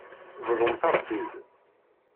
Bḍumt-aɣ-tt-id.